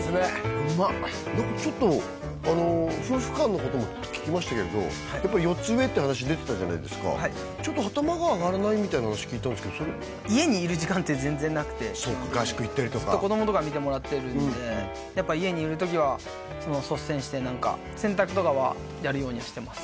うまっ何かちょっと夫婦間のことも聞きましたけどやっぱり４つ上って話出てたじゃないですかちょっと頭が上がらないみたいな話聞いたんすけどそれ家にいる時間って全然なくてそうか合宿行ったりとかずっと子供とか見てもらってるんでやっぱ家にいる時は率先して何か洗濯とかはやるようにはしてます